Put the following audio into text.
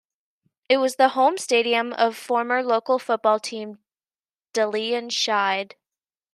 It was the home stadium of former local football team Dalian Shide.